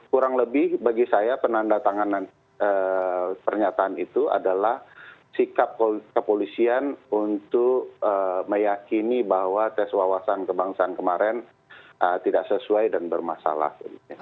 kurang lebih bagi saya penanda tanganan pernyataan itu adalah sikap kepolisian untuk meyakini bahwa tes wawasan kebangsaan kemarin tidak sesuai dan bermasalah